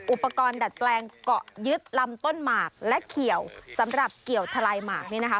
อุปกรณ์ดัดแปลงเกาะยึดลำต้นหมากและเขียวสำหรับเกี่ยวทะลายหมากนี่นะคะ